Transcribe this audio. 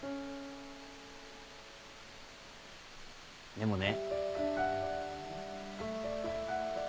でもね。